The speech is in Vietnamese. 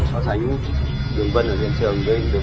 họ xài những đường vân ở diện trường